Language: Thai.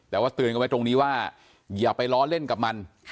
แต่ว่าเตือนกันไว้ตรงนี้ว่าอย่าไปล้อเล่นกับมัน